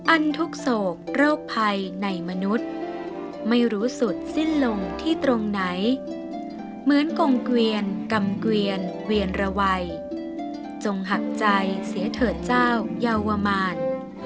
ทุกโศกโรคภัยในมนุษย์ไม่รู้สุดสิ้นลงที่ตรงไหนเหมือนกงเกวียนกำเกวียนเวียนระวัยจงหักใจเสียเถิดเจ้าเยาวมาร